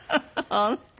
本当？